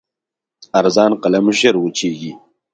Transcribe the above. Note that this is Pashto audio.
ارزان قلم ژر وچېږي.